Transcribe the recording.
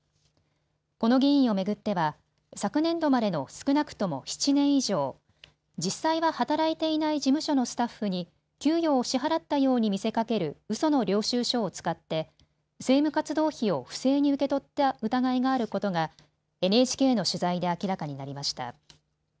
この議員を巡っては昨年度までの少なくとも７年以上、実際は働いていない事務所のスタッフに給与を支払ったように見せかけるうその領収書を使って政務活動費を不正に受け取った疑いがあることがＮＨＫの取材で明らかになりました。